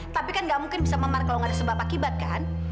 tapi kan gak mungkin bisa memar kalau nggak ada sebab akibat kan